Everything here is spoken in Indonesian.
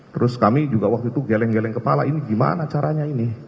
terus kami juga waktu itu geleng geleng kepala ini gimana caranya ini